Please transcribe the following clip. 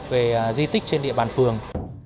về di tích trên địa bàn phường